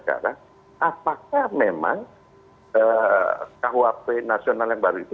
apakah memang kuhp nasional yang baru itu